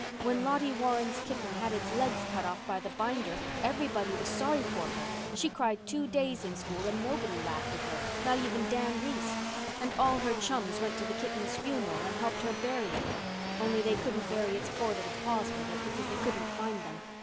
When Lottie Warren's kitten had its legs cut off by the binder everybody was sorry for her. She cried two days in school and nobody laughed at her, not even Dan Reese. And all her chums went to the kitten's funeral and helped her bury it—only they couldn't bury its poor little paws with it, because they couldn't find them.